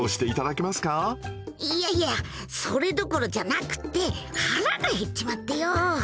いやいやそれどころじゃなくって腹が減っちまってよぉ。